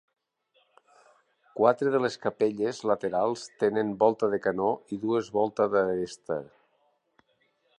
Quatre de les capelles laterals tenen volta de canó i dues volta d'aresta.